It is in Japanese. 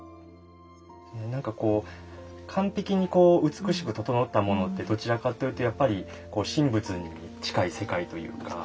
何か完璧にこう美しく整ったものってどちらかというとやっぱり神仏に近い世界というか。